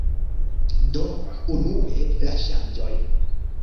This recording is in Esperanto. Do, unue la ŝanĝoj